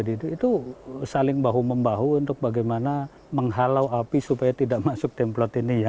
itu saling bahu membahu untuk bagaimana menghalau api supaya tidak masuk templot ini ya